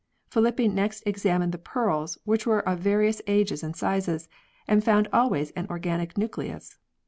Filippi next examined the pearls, which were of various ages and sizes, and found always an organic nucleus.